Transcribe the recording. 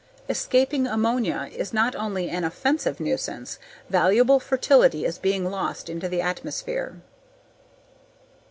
Escaping ammonia is not only an offensive nuisance, valuable fertility is being lost into the atmosphere.